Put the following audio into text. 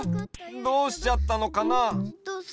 どうしちゃったのかな？